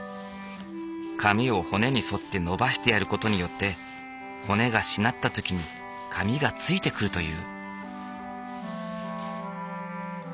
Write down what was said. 紙を骨に沿って伸ばしてやる事によって骨がしなった時に紙がついてくるという。